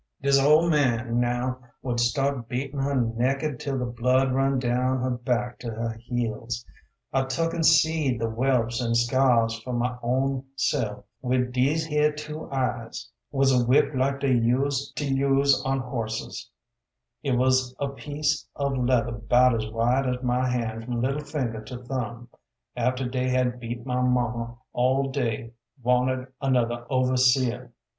Dis ol' man, now, would start beatin' her nekkid 'til the blood run down her back to her heels. I took an' seed th' whelps an' scars fer my own self wid dese here two eyes. ([HW struck out: this whip she said,] was a whip like dey use to use on horses); it wuz a piece [SP: peice] of leather 'bout as wide as my han' from little finger to thumb. After dey had beat my muma all dey wanted another overseer.